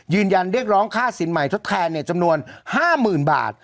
ยืนยันเรียกร้องค่าสินใหม่ทดแทนจำนวน๕๐๐๐บาท